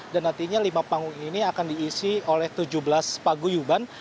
dan nantinya lima panggung ini akan diisi oleh tujuh belas paguyuban